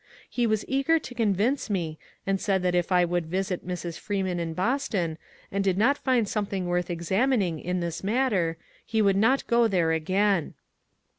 He was eager to convince me, and said that if I would visit Mrs. Freeman in Boston, and did not find something worth examining in this matter, he would not go there again.